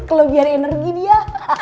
kalo biar energi dia